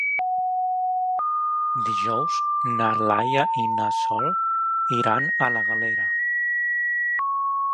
Dijous na Laia i na Sol iran a la Galera.